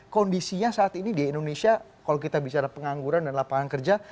kondisinya saat ini di indonesia kalau kita bicara pengangguran dan lapangan kerja